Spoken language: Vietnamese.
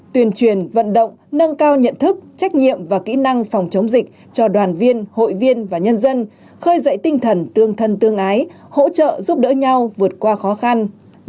tuyên truyền vận động nâng cao nhận thức trách nhiệm và kỹ năng phòng chống dịch cho đoàn viên hội viên và nhân dân khơi dậy tinh thần tương thân tương ái hỗ trợ giúp đỡ nhau vượt qua khó khăn